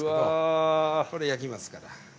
これ焼きますから。